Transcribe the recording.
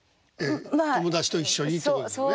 友達と一緒にってことですよね。